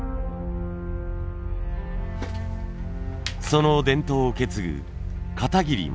その伝統を受け継ぐ